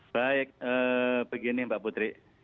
baik begini mbak putri